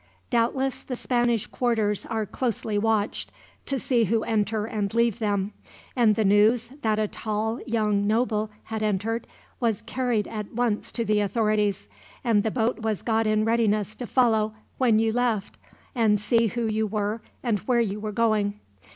"Doubtless the Spanish quarters are closely watched, to see who enter and leave them; and the news that a tall young noble had entered was carried at once to the authorities, and the boat was got in readiness to follow when you left, and see who you were and where you were going.